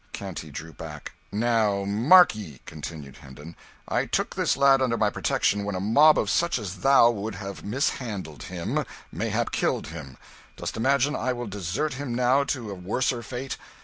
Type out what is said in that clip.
Canty drew back. "Now mark ye," continued Hendon, "I took this lad under my protection when a mob of such as thou would have mishandled him, mayhap killed him; dost imagine I will desert him now to a worser fate?